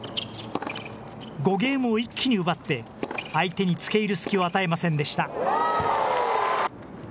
５ゲームを一気に奪って相手につけいる隙を与えませんでした。